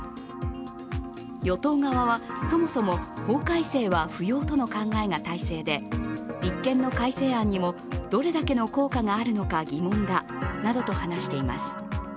与党側はそもそも、法改正は不要との考えが大勢で立憲の改正案にもどれだけの効果があるのか疑問だなどと話しています。